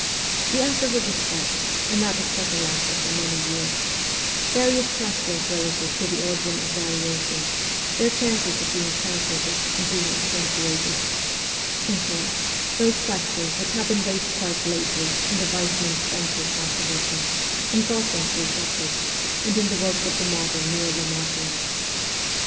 We after ward discussed and that discussion lasted for many years various questions relative to the origin of variations, their chances of being transmitted and being accentuated ; in short, those questions which have been raised quite lately in the Weismann Spencer controversy, in Galton's researches, and in the works of the modern Neo Lamarckians.